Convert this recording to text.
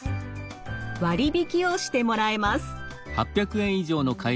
割り引きをしてもらえます。